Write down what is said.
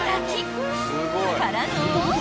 ［からの］